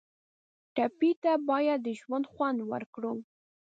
ټپي ته باید د ژوند خوند ورکړو.